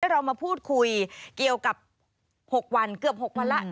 เรามาพูดคุยเกี่ยวกับ๖วันเกือบ๖วันแล้ว